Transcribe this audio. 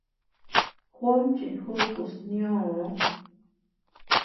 Juóm chinjukus niöo.